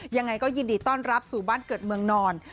ยังไงก็ยินดีต้อนรับสู่บ้านเกิดเมืองนอน